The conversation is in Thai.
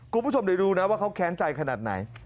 กลุ่มผู้ชมได้รู้นะว่าเขาแค้นใจขนาดไหน